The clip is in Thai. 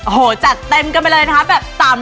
โหจัดเต็มกันไปเลยคะแบบ๓รับ